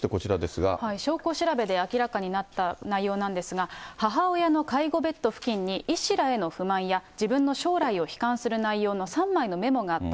証拠調べで明らかになった内容なんですが、母親の介護ベッド付近に医師らへの不満や自分の将来を悲観する内容の３枚のメモがあった。